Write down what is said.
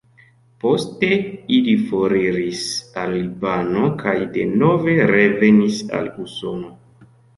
Poste ili foriris al Libano kaj denove revenis al Usono.